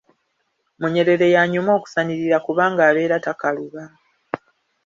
Munyerere y’anyuma okusanirira kubanga abeera takaluba.